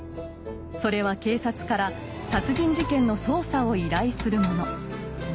それは警察から殺人事件の捜査を依頼するもの。